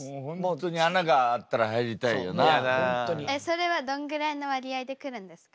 それはどんぐらいの割合で来るんですか？